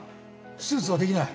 手術はできない。